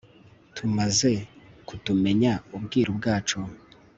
tumaze kutumenya ubwiru bwacu